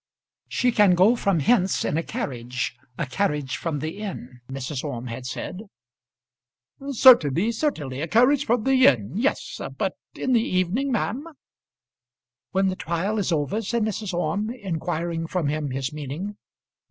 "She can go from hence in a carriage a carriage from the inn," Mrs. Orme had said. "Certainly, certainly; a carriage from the inn; yes. But in the evening, ma'am?" "When the trial is over?" said Mrs. Orme, inquiring from him his meaning.